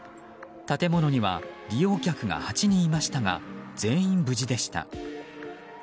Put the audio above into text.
建物には利用客が８人いましたが全員、無事でした。